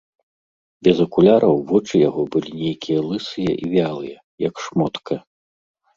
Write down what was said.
Без акуляраў вочы яго былі нейкія лысыя і вялыя, як шмотка.